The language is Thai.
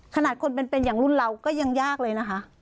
ขนาดคนเป็นอย่างรุ่นเราก็ยังยากเลยนะคะ